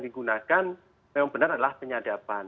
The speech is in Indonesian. digunakan memang benar adalah penyadapan